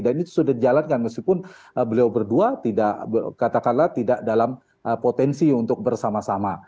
dan itu sudah dijalankan meskipun beliau berdua tidak katakanlah tidak dalam potensi untuk bersama sama